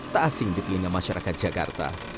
tak asing di telinga masyarakat jakarta